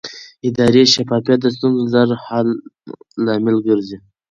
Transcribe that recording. اداري شفافیت د ستونزو ژر حل لامل ګرځي